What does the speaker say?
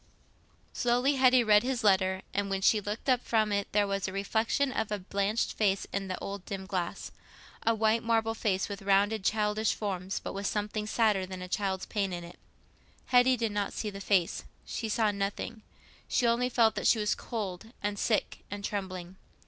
Slowly Hetty had read this letter; and when she looked up from it there was the reflection of a blanched face in the old dim glass—a white marble face with rounded childish forms, but with something sadder than a child's pain in it. Hetty did not see the face—she saw nothing—she only felt that she was cold and sick and trembling.